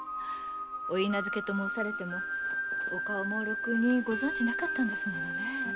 お許婚ともうされてもお顔もろくにご存じなかったんですものね。